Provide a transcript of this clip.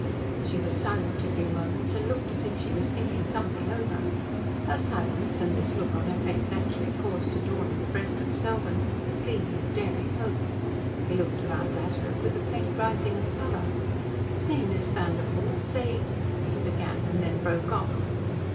She was silent a few moments and looked as if she was thinking something over. Her silence and this look on her face actually caused to dawn in the breast of Selden a gleam of daring hope. He looked round at her with a faint rising of colour. "Say, Miss Vanderpoel say " he began, and then broke off.